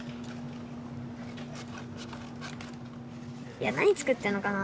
いや「何作ってんのかな」